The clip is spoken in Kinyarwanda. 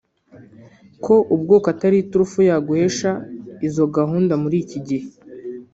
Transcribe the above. ko ubwoko atari iturufu yaguhesha izo gahunda muri iki gihe